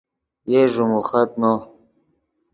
یئے ݱیموخت نو